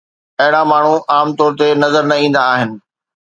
اهڙا ماڻهو عام طور تي نظر نه ايندا آهن.